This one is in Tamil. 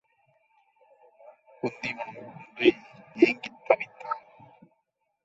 குந்தி மனம் குன்றி ஏங்கித்தவித்தாள்.